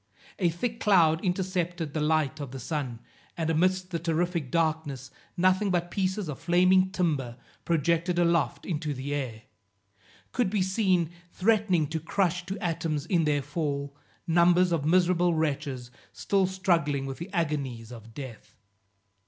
A thick cloud intercepted the light of the sun, and amidst the terrific darkness nothing but pieces of flaming timber, projected aloft into the air, could be seen, threatening to crush to atoms in their fall, numbers of miserable wretches still struggling with the agonies of death.